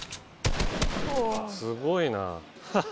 すごいな。